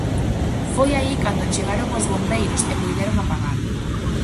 Foi aí cando chegaron os bombeiros e puideron apagalo.